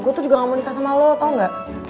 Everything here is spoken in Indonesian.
gue tuh juga gak mau nikah sama lo tau gak